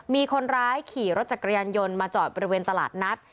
มีคนร้ายขี่รถจักรยานยนต์มาจอดบริเวณตลาดนัด